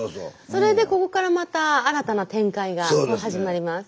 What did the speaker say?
それでここからまた新たな展開が始まります。